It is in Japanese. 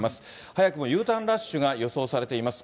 早くもＵターンラッシュが予想されています。